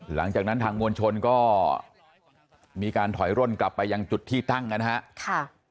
หลังจากนั้นทางมวลชนก็มีการถอยร่นกลับไปยังจุดที่ตั้งนะครับ